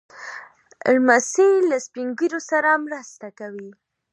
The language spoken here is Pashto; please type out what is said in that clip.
لمسی له سپين ږیرو سره مرسته کوي.